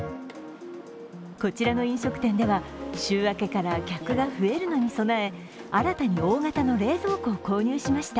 こちらの飲食店では、週明けから客が増えるのに備え新たに大型の冷蔵庫を購入しました。